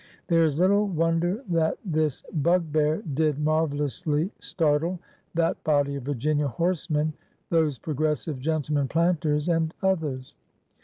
There is little wonder that "this bugbear did marvellously startle that body of Virginia horsemen, those progressive gentlemen planters, and others.